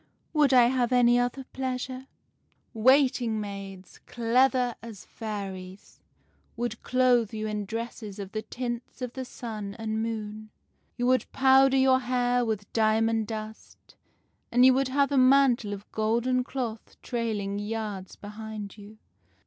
' Would I have any other pleasure ?'"' Waiting maids, clever as fairies, would clothe you in dresses of the tints of the sun and moon. You would powder your hair with diamond dust, and you would have a mantle of golden cloth trailing yards behind you.